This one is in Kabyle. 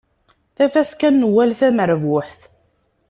Tafaska n Nwal tamerbuḥt.